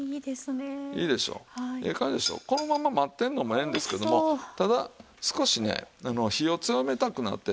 このまんま待ってるのもええんですけどもただ少しね火を強めたくなって。